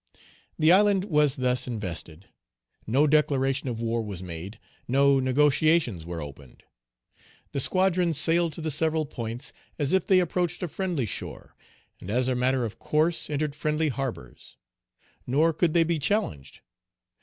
The island was thus invested. No declaration of war was made, no negotiations were opened. The squadrons sailed to the several points as if they approached a friendly shore, and as a matter of course entered friendly harbors. Nor could they be challenged.